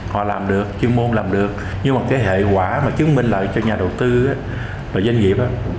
họ làm được chuyên môn làm được nhưng mà cái hệ quả mà chứng minh lợi cho nhà đầu tư và doanh nghiệp